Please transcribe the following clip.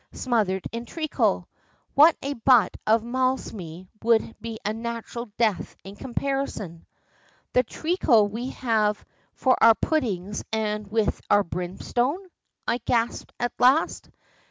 smothered in treacle! Why a butt of Malmsey would be a natural death in comparison." "The treacle we have for our puddings and with our brimstone?" I gasped at last.